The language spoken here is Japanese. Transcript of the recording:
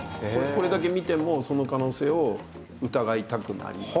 これだけ見てもその可能性を疑いたくなりますね。